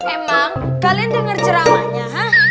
emang kalian dengar ceramahnya